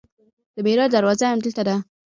د معراج دروازه همدلته ده.